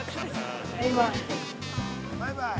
◆バイバイ。